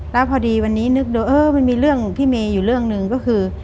แล้วพอดีวันนี้นึกดูเออมันมีเรื่องพี่เมย์อยู่เรื่องหนึ่งก็คือ